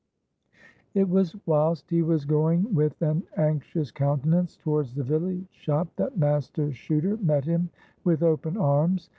It was whilst he was going with an anxious countenance towards the village shop that Master Chuter met him with open arms.